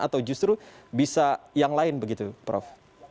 atau justru bisa yang lain begitu prof